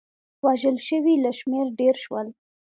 وژل شوي له شمېر ډېر شول.